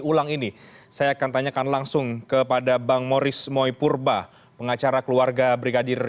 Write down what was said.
ulang ini saya akan tanyakan langsung kepada bang moris moipurba pengacara keluarga brigadir